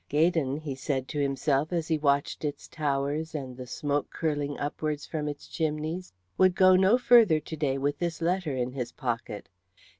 "Gaydon," he said to himself as he watched its towers and the smoke curling upwards from its chimneys, "would go no further to day with this letter in his pocket.